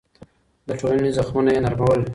د ټولنې زخمونه يې نرمول.